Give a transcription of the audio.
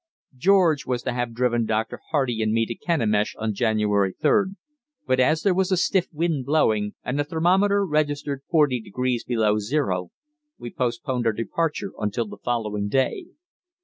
George was to have driven Dr. Hardy and me to Kenemish on January 3d, but as there was a stiff wind blowing and the thermometer registered 40 degrees below zero, we postponed our departure until the following day.